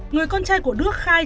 người con trai của đức khai